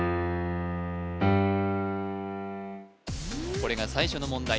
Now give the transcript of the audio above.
これが最初の問題